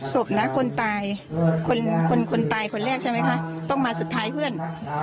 ศพนะคนตายคนตายคนแรกใช่ไหมคะต้องมาสุดท้ายเพื่อน